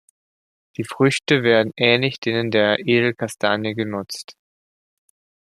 Die Früchte werden ähnlich denen der Edelkastanie genutzt.